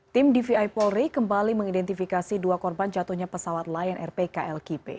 tim dvi polri kembali mengidentifikasi dua korban jatuhnya pesawat lion air pklkp